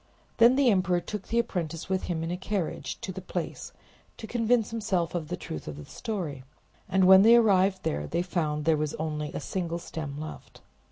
Then the emperor took the apprentice with him in a carriage to the place, to convince himself of the truth of the story; and when they arrived there they found there was only a single stem left.